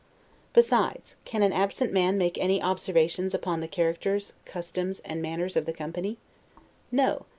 Besides, can an absent man make any observations upon the characters customs, and manners of the company? No.